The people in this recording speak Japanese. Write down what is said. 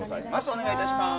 お願い致します。